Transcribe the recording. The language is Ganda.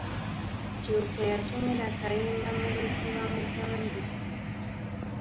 Jjuuko yatumira Kayemba mu lukwe bamugambe.